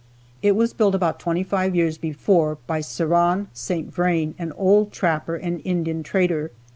It was built about twenty five years before, by Ceran St. Vrain, an old trapper and Indian trader.